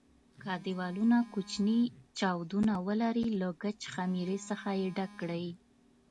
که دېوالونه کوچني چاودونه ولري له ګچ خمېرې څخه یې ډک کړئ.